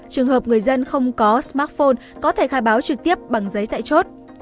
trường hợp người dân không có smartphone có thể khai báo trực tiếp bằng giấy tại chốt